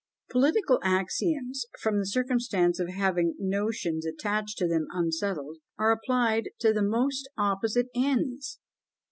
Political axioms, from the circumstance of having the notions attached to them unsettled, are applied to the most opposite ends!